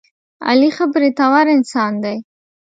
علي ښه برېتور انسان دی.